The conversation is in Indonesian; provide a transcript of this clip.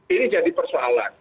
ini jadi persoalan